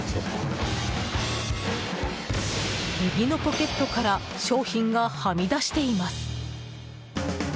右のポケットから商品がはみ出しています。